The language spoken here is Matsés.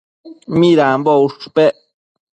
Midambo ushpec